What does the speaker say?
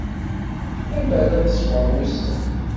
Amer ad ṣfun wussan.